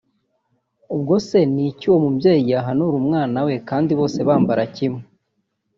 Ubwo se ni iki uwo mubyeyi yahanura umwana kandi bose bambara kimwe